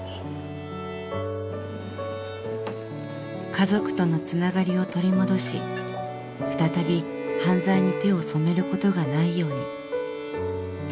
家族とのつながりを取り戻し再び犯罪に手を染めることがないように。